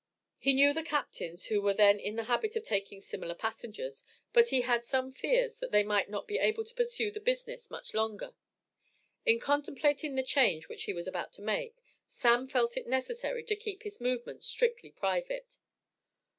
He knew the captains who were then in the habit of taking similar passengers, but he had some fears that they might not be able to pursue the business much longer. In contemplating the change which he was about to make, "Sam" felt it necessary to keep his movements strictly private.